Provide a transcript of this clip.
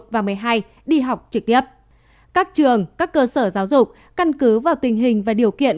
một mươi một mươi một và một mươi hai đi học trực tiếp các trường các cơ sở giáo dục căn cứ vào tình hình và điều kiện